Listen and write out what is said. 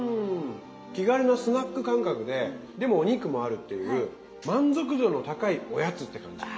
気軽なスナック感覚ででもお肉もあるっていう満足度の高いおやつって感じ。